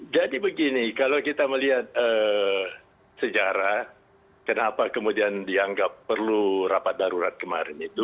jadi begini kalau kita melihat sejarah kenapa kemudian dianggap perlu rapat darurat kemudian